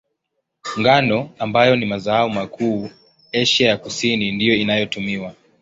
Ngano, ambayo ni mazao makuu Asia ya Kusini, ndiyo inayotumiwa.